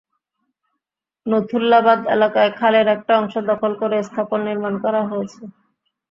নথুল্লাবাদ এলাকায় খালের একটা অংশ দখল করে স্থাপনা নির্মাণ করা হয়েছে।